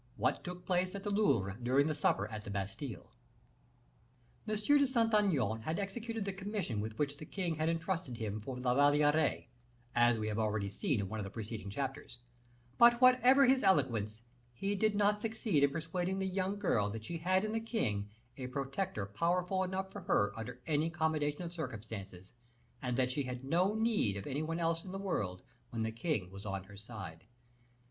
What Took Place at the Louvre During the Supper at the Bastile. M. de Saint Aignan had executed the commission with which the king had intrusted him for La Valliere as we have already seen in one of the preceding chapters; but, whatever his eloquence, he did not succeed in persuading the young girl that she had in the king a protector powerful enough for her under any combination of circumstances, and that she had no need of any one else in the world when the king was on her side.